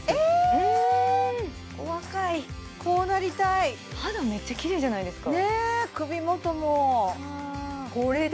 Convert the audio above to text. え若いこうなりたいん肌めっちゃ綺麗じゃないですか？